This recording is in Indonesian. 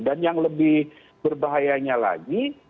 dan yang lebih berbahayanya lagi